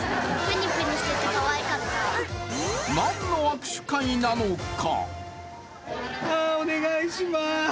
何の握手会なのか？